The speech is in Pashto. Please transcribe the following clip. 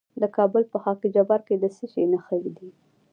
د کابل په خاک جبار کې د څه شي نښې دي؟